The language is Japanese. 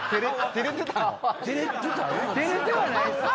照れてはないです。